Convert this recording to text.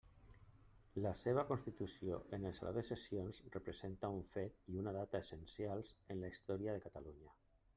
La seva constitució en el Saló de Sessions representa un fet i una data essencials en la història de Catalunya.